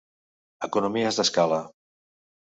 Economies d'escala.